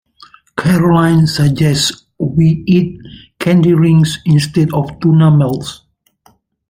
Caroline suggests we eat candy rings instead of tuna melts